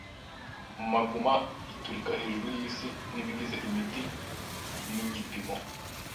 Maguma iturika hejuru yisi nibigize imiti nigipimo